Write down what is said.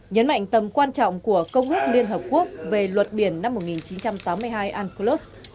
nhấn mạnh tầm quan trọng của công ước liên hợp quốc về luật biển năm một nghìn chín trăm tám mươi hai unclos